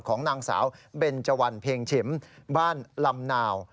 ของนางสาวเบนเจวันเพลงฉิมบ้านลำนาว